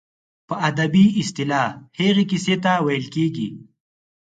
په ادبي اصطلاح هغې کیسې ته ویل کیږي.